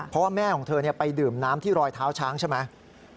เพราะว่าแม่ของเธอไปดื่มน้ำที่รอยเท้าช้างใช่ไหม